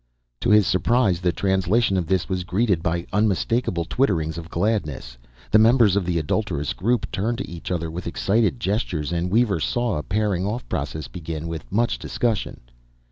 To his surprise, the translation of this was greeted by unmistakable twitterings of gladness. The members of the adulterous group turned to each other with excited gestures, and Weaver saw a pairing off process begin, with much discussion.